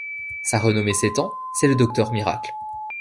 Sa renommée s'étend, c'est le docteur miracle.